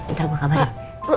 ntar gue kabarin